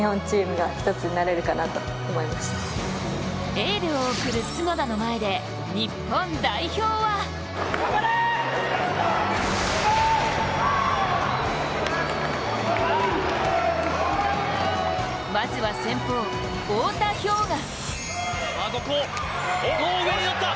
エールを送る角田の前で日本代表はまずは先方、太田彪雅。